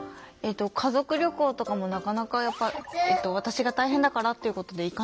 家族旅行とかもなかなかやっぱ私が大変だからっていうことでそう